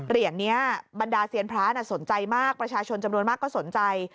เหรียญนี้บรรดาเซียนพระสนใจมากประชาชนจำนวนมากก็สนใจ